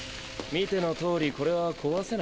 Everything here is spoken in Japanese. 見てのとおりこれは壊せない。